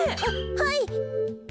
はい。